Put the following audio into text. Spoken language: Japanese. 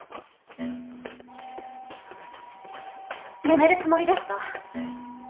辞めるつもりですか？